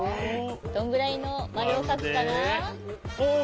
どんぐらいのまるをかくかな？